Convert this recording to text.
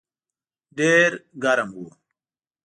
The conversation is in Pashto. ډېر ګرم و.